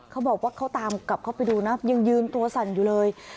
เขาบอกว่าเขาตามกลับเข้าไปดูนะยังยืนตัวสั่นอยู่เลย